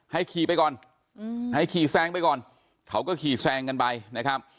ให้ขี่ไปก่อนให้ขี่แซงไปก่อนเขาก็ขี่แซงกันไปนะครับ